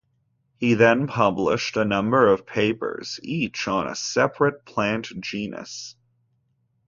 He then published a number of papers, each on a separate plant genus.